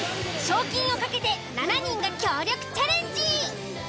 賞金を懸けて７人が協力チャレンジ！